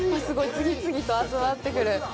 次々と集まってくる。